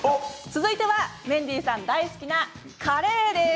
続いてはメンディーさん大好きなカレーです。